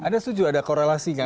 anda setuju ada korelasi kan